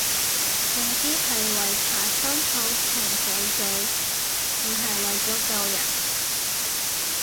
嗰啲係為搓心口同嘴嘴，唔係為咗救人